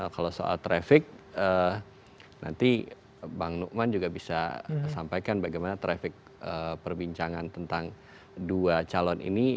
kalau soal traffic nanti bang nukman juga bisa sampaikan bagaimana traffic perbincangan tentang dua calon ini